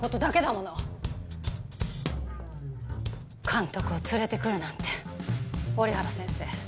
監督を連れてくるなんて折原先生。